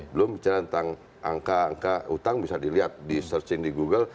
belum bicara tentang angka angka utang bisa dilihat di searching di google